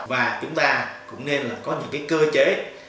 và chúng ta cũng nên là có những cái cơ chế